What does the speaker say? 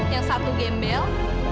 yang satu gembel